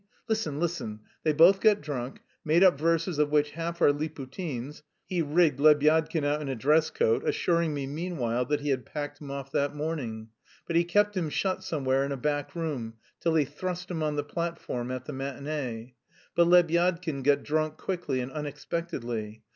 Listen, listen: they both got drunk, made up verses of which half are Liputin's; he rigged Lebyadkin out in a dress coat, assuring me meanwhile that he had packed him off that morning, but he kept him shut somewhere in a back room, till he thrust him on the platform at the matinée. But Lebyadkin got drunk quickly and unexpectedly.